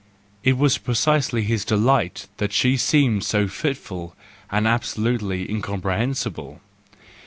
It was precisely his delight that she seemed so fitful and absolutely incompre¬ hensible